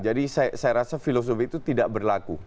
jadi saya rasa filosofi itu tidak berlaku